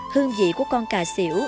hương vị của con cà xỉu